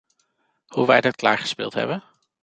Hoe wij dat klaargespeeld hebben?